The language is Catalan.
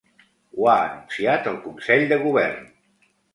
Ho ha anunciat al consell de govern.